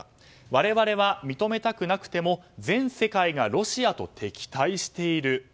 我々は認めたくなくても全世界がロシアと敵対している。